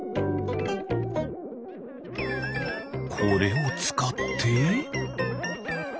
これをつかって。